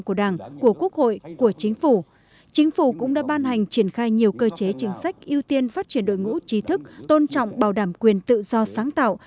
chính phủ cũng đã ban hành triển khai nhiều cơ chế chính sách ưu tiên phát triển đổi ngũ chi thức tôn trọng bảo đảm quyền tự do sáng tạo